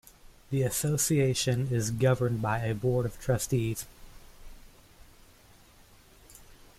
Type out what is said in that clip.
The association is governed by a board of trustees.